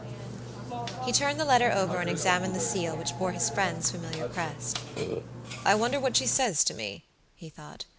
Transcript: He turned the letter over and examined the seal, which bore his friend's familiar crest. "I wonder what she says to me?" he thought.